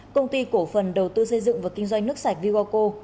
công ty cổ phần đầu tư xây dựng và kinh doanh nước sạch vivoco